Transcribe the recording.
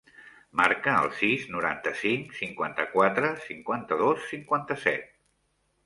Marca el sis, noranta-cinc, cinquanta-quatre, cinquanta-dos, cinquanta-set.